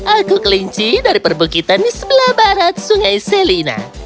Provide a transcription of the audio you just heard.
aku kelinci dari perbukitan di sebelah barat sungai selina